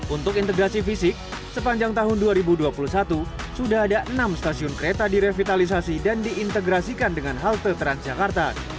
untuk integrasi fisik sepanjang tahun dua ribu dua puluh satu sudah ada enam stasiun kereta direvitalisasi dan diintegrasikan dengan halte transjakarta